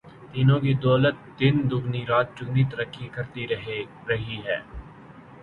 تینوں کی دولت دن دگنی رات چوگنی ترقی کرتی رہی ہے۔